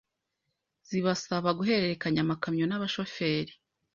zibasaba guhererekanya amakamyo n’abashoferi